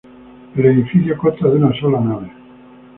El edificio consta de una sola nave.